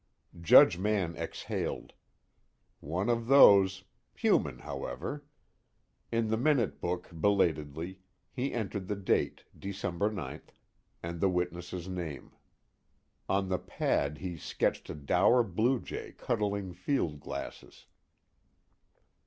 Judge Mann exhaled. One of those; human, however. In the minute book, belatedly, he entered the date, December 9, and the witness's name. On the pad he sketched a dour bluejay cuddling field glasses.